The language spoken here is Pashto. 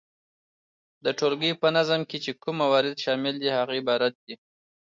د ټولګي په نظم کي چي کوم موارد شامل دي هغه عبارت دي،